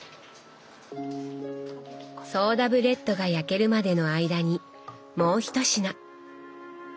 ソーダブレッドが焼けるまでの間にもう１品。